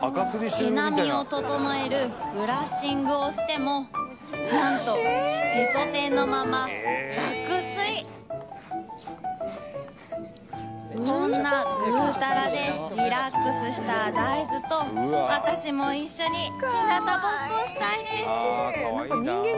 毛並みを整えるブラッシングをしても何とへそ天のまま爆睡こんなグータラでリラックスしただいずと私も一緒にひなたぼっこしたいです